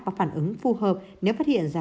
và phản ứng phù hợp nếu phát hiện ra